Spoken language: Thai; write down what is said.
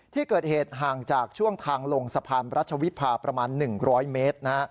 ที่เกิดเหตุห่างจากช่วงทางลงสะพานรัชวิพาประมาณ๑๐๐เมตร